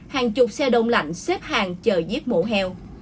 hàng chục xe đông lạnh xếp hàng chờ giết mổ heo